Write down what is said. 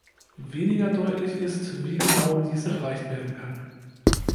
Weniger deutlich ist, wie genau dies erreicht werden kann.